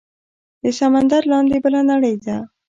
د سمندر لاندې بله نړۍ ده